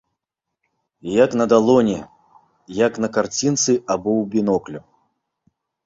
як на далоні, як на карцінцы або ў біноклю.